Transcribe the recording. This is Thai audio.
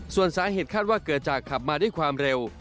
ส่วนสาเหตุคาดว่าเกิดจากขับมาด้วยความเร็ว